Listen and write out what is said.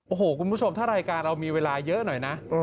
โอ้โหคุณผู้ชมถ้ารายการเรามีเวลาเยอะหน่อยนะ